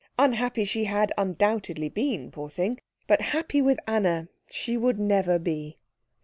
Unhappy she had undoubtedly been, poor thing, but happy with Anna she would never be.